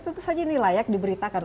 tentu saja ini layak diberitakan